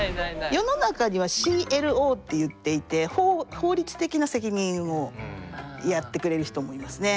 世の中にはＣＬＯっていっていて法律的な責任をやってくれる人もいますね。